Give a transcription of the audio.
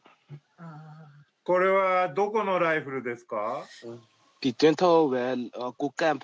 これはどこのライフルですか？